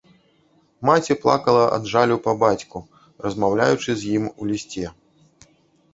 Маці плакала ад жалю па бацьку, размаўляючы з ім у лісце.